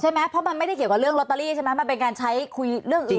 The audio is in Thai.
ไหมเพราะมันไม่ได้เกี่ยวกับเรื่องลอตเตอรี่ใช่ไหมมันเป็นการใช้คุยเรื่องอื่น